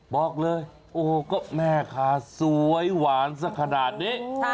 บอกเลยโว้ยไม่็ค่ะสวยหวานค่ะนี่